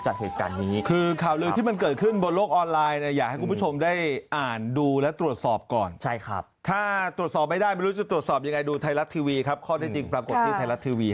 บทที่ไทยรัททีวี